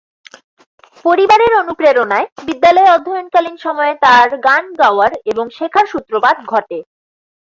পরিবারের অনুপ্রেরণায় বিদ্যালয়ে অধ্যয়নকালীন সময়ে তার গান গাওয়ার এবং শেখার সূত্রপাত ঘটে।